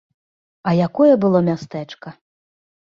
А якое было мястэчка!